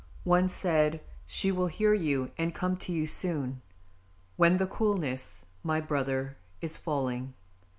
One said: "She will hear you and come to you soon, When the coolness, my brother, is falling."